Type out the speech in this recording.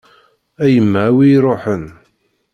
A yemma a wi iṛuḥen.